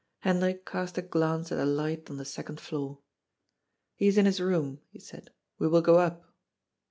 Hendrik cast a glance at the light on the second floor. " He is in his room," he said. " We will go up."